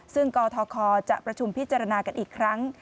ซึ่งกทคจะประชุมพิจารณากันอีกครั้ง